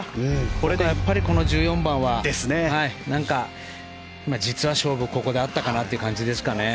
これでやっぱり１４番は実は勝負ここであったかなという感じですね。